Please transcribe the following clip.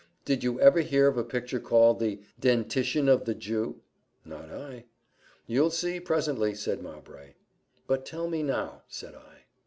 Did you ever hear of a picture called the 'Dentition of the Jew?'" "Not I." "You'll see, presently," said Mowbray. "But tell me now," said I.